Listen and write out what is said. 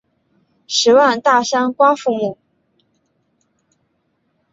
十万大山瓜馥木